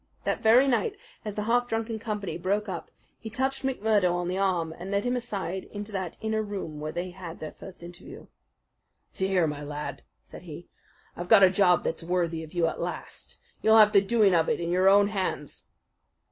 That very night, as the half drunken company broke up, he touched McMurdo on the arm and led him aside into that inner room where they had their first interview. "See here, my lad," said he, "I've got a job that's worthy of you at last. You'll have the doing of it in your own hands."